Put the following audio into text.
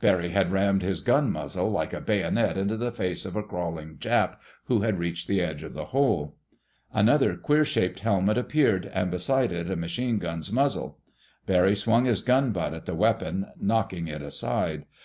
Barry had rammed his gun muzzle like a bayonet into the face of a crawling Jap who had reached the edge of the hole. Another queer shaped helmet appeared, and beside it a machine gun's muzzle. Barry swung his gun butt at the weapon, knocking it aside.